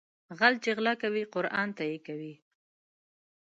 غل چې غلا کوي قرآن ته يې کوي